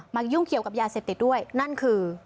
ยุ่งเกี่ยวกับยาเสพติดด้วยนั่นคือ